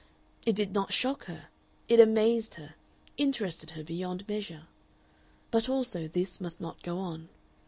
It did not shock her; it amazed her, interested her beyond measure. But also this must not go on.